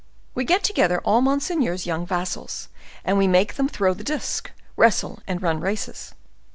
We get together all monseigneur's young vassals, and we make them throw the disc, wrestle, and run races.